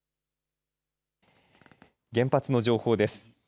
原発の情報です。